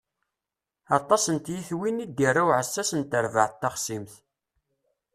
Aṭas n tyitwin i d-irra uɛessas n terbaɛt taxṣimt.